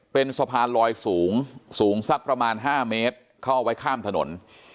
เป็นสะพานลอยสูงสูงสักประมาณ๕เมตรเข้าเอาไว้ข้ามถนน